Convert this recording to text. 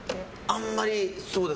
あんまり。